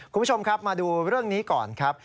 คุณผู้ชมครับมาดูเรื่องนี้ก่อนครับ